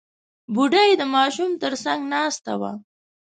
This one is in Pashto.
بوډۍ د ماشوم تر څنګ ناسته وه.